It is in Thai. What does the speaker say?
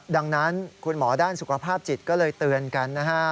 ดังนั้นคุณหมอด้านสุขภาพจิตก็เลยเตือนกันนะฮะ